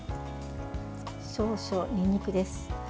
少々にんにくです。